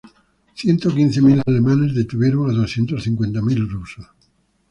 Ciento quince mil alemanes detuvieron a doscientos cincuenta mil rusos.